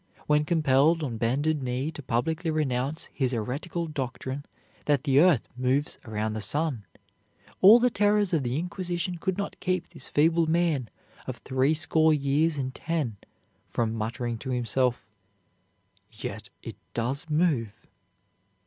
When compelled on bended knee to publicly renounce his heretical doctrine that the earth moves around the sun, all the terrors of the Inquisition could not keep this feeble man of threescore years and ten from muttering to himself, "Yet it does move."